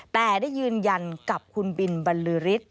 แต่ได้ยืนยันกับขุนบิลบริฤษฐ์